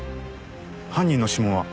犯人の指紋は？